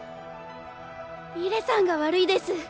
ミレさんが悪いです。